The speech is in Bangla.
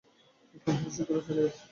এখান হইতে শীঘ্র চলিয়া আয়।